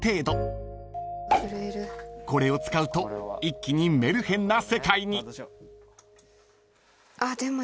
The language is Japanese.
［これを使うと一気にメルヘンな世界に］